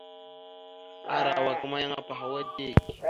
Arawak ma yan apahwa dik.